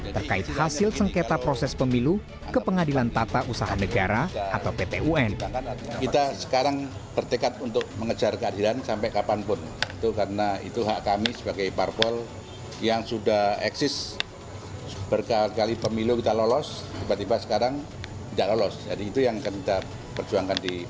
terkait hasil sengketa proses pemilu ke pengadilan tata usaha negara atau pt un